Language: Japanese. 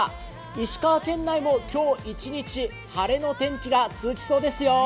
石川県内も今日一日、晴れの天気が続きそうですよ。